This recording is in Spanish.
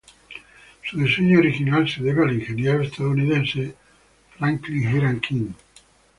Su diseño original se debe al ingeniero estadounidense Franklin Hiram King.